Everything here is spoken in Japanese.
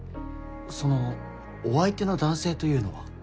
そのお相手の男性というのは？